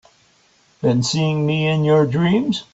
Been seeing me in your dreams?